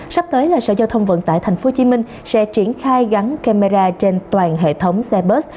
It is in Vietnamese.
sắp tới là sở giao thông vận tải tp hcm sẽ triển khai gắn camera trên toàn hệ thống xe bớt